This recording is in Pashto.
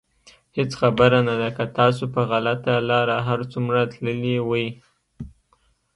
هېڅ خبره نه ده که تاسو په غلطه لاره هر څومره تللي وئ.